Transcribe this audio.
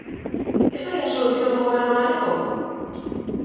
¿Esa é a solución do Goberno galego?